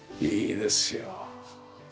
いいですよ。